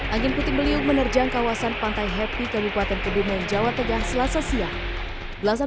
angin putih beliung menerjang kawasan pantai happy kewibatan kebunnya jawa tegah selasa siang belasan